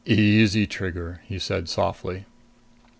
"Easy, Trigger!" he said softly.